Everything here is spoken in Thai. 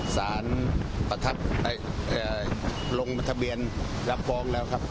สารลงทะเบียนรับฟ้องแล้วครับ